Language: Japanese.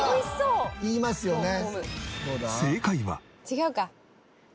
「違うか」